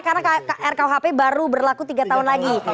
karena rkuhp baru berlaku tiga tahun lagi